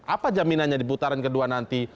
apa jaminannya di putaran kedua nanti